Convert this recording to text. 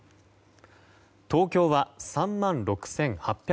東京は３万６８１４人